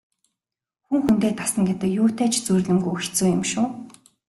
Хүн хүндээ дасна гэдэг юутай ч зүйрлэмгүй хэцүү юм шүү.